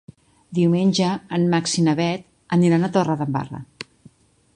Diumenge en Max i na Bet aniran a Torredembarra.